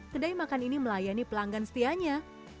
kedai makan ini melayani pelanggan setianya